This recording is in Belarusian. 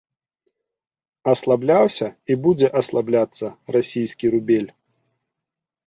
Аслабляўся і будзе аслабляцца расійскі рубель.